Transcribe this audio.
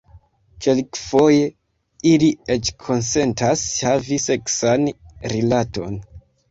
Kelkfoje ili eĉ konsentas havi seksan rilaton.